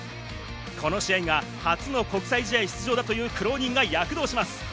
この試合が初の国際試合出場だという苦労人が躍動します。